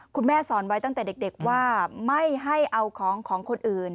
คุณแม่สอนไว้ตั้งแต่เด็กว่าไม่ให้เอาของของคนอื่น